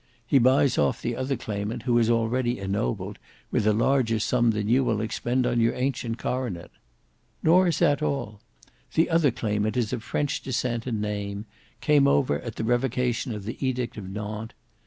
He buys off the other claimant who is already ennobled with a larger sum than you will expend on your ancient coronet. Nor is that all. The other claimant is of French descent and name; came over at the revocation of the Edict of Nantes.